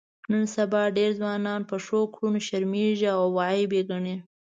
نن سبا ډېر ځوانان په ښو کړنو شرمېږي او عیب یې ګڼي.